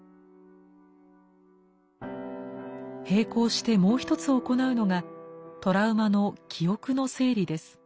並行してもう一つ行うのがトラウマの記憶の整理です。